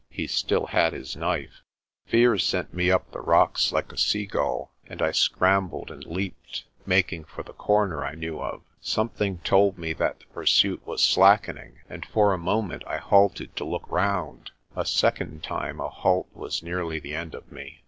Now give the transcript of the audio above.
He still had his knife. Fear sent me up the rocks like a seagull, and I scrambled and leaped, making for the corner I knew of. Something told me that the pursuit was slackening, and for a moment I halted to look round. A second time a halt was nearly the end of me.